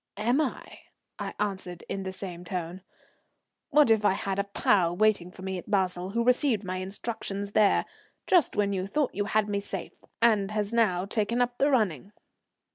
"Am I?" I answered in the same tone. "What if I had a pal waiting for me at Basle, who received my instructions there just when you thought you had me safe and has now taken up the running?"